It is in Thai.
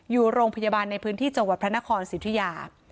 อยู่โรงพยาบาลในพื้นที่จังหวัดพระนครสิทธิยา